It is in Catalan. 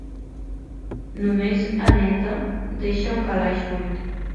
Només «eneta» deixa un calaix buit.